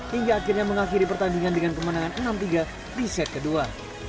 hingga akhirnya mengakhiri pertandingan dengan kemenangan enam tiga di set kedua